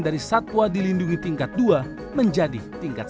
dari satwa dilindungi tingkat dua menjadi tingkat satu